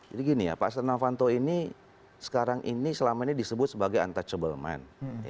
jadi gini ya pak setia novanto ini sekarang ini selama ini disebut sebagai untouchable man